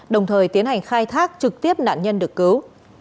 đồng thời tiến hành khai thác trực tiếp nạn nhân được cứu